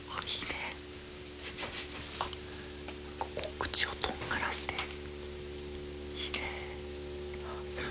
ここ口をとんがらして。